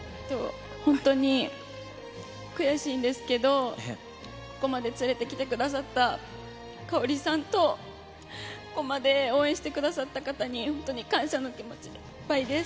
本当に悔しいんですけど、ここまで連れてきてくださったカオリさんとここまで応援してくださった方に本当に感謝の気持ちでいっぱいです。